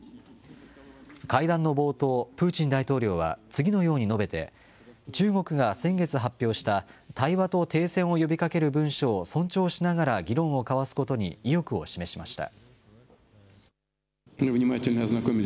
会談の冒頭、プーチン大統領は次のように述べて、中国が先月発表した、対話と停戦を呼びかける文書を尊重しながら議論を交わすことに意欲を示しました。